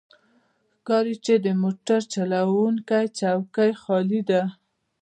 ښکاري چې د موټر چلوونکی څوکۍ خالي ده.